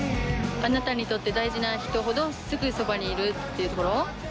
「あなたにとって大事な人ほどすぐそばにいる」っていうところ。